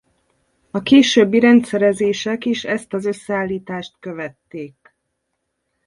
A későbbi rendszerezések is ezt az összeállítást követték.